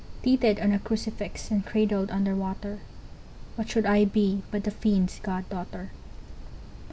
Teethed on a crucifix and cradled under water, What should I be but a fiend's god daughter?